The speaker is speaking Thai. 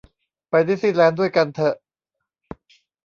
ไปดิสนี่แลนด์ด้วยกันเถอะ